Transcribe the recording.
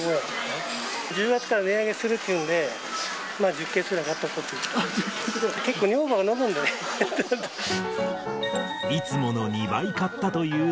１０月から値上げするっていうんで、１０ケースくらい買っておこうっていう。